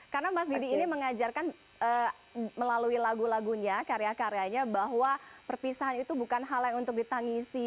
karena mas didi ini mengajarkan melalui lagu lagunya karya karyanya bahwa perpisahan itu bukan hal yang untuk ditangisi